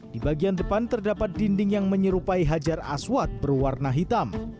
di bagian depan terdapat dinding yang menyerupai hajar aswad berwarna hitam